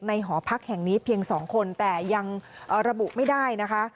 หอพักแห่งนี้เพียง๒คนแต่ยังระบุไม่ได้นะคะ